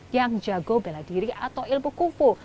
yang jago bela diri atau ilmu kupu